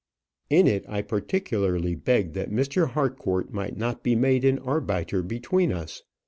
"In it, I particularly begged that Mr. Harcourt might not be made an arbiter between us.